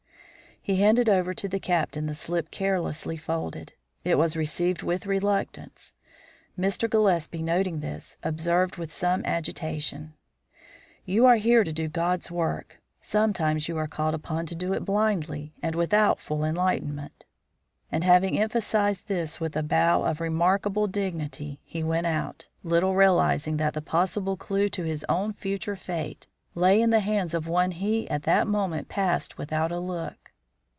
He handed over to the Captain the slip carelessly folded. It was received with reluctance. Mr. Gillespie, noting this, observed with some agitation: "You are here to do God's work. Sometimes you are called upon to do it blindly and without full enlightenment." And having emphasised this with a bow of remarkable dignity he went out, little realising that the possible clue to his own future fate lay in the hands of one he at that moment passed without a look.